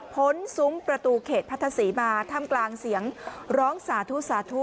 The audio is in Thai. ้นซุ้มประตูเขตพัทธศรีมาทำกลางเสียงร้องสาธุสาธุ